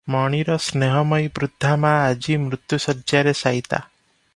ମଣିର ସ୍ନେହମୟୀ ବୃଦ୍ଧା ମାଆ ଆଜି ମୃତ୍ୟୁଶଯ୍ୟାରେ ଶାୟିତା ।